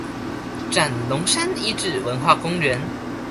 斬龍山遺址文化公園